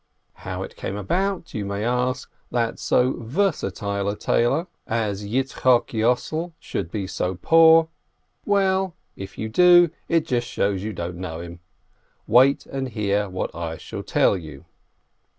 How came it about, you may ask, that so versatile a tailor as Yitzchok Yossel should be so poor? Well, if you do, it just shows you didn't know him! Wait and hear what I shall tell you.